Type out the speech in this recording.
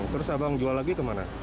terus abang jual lagi kemana